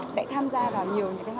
sẽ tham gia vào nhiều hoạt động